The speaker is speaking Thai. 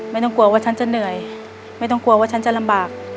ไม่ต้องกลัวว่าฉันจะเหนื่อยไม่ต้องกลัวว่าฉันจะลำบาก